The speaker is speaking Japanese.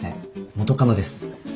元カノです。